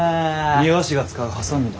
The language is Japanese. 庭師が使うはさみだ。